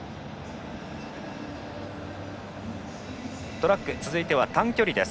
トラック、続いては短距離です。